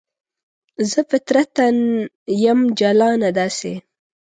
زه فطرتاً یم جلانه داسې